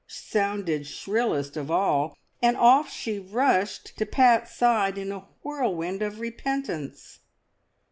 sounded shrillest of all, and off she rushed to Pat's side in a whirlwind of repentance.